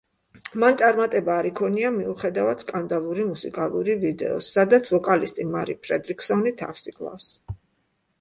მან წარმატება არ იქონია, მიუხედავად სკანდალური მუსიკალური ვიდეოს, სადაც ვოკალისტი მარი ფრედრიკსონი თავს იკლავს.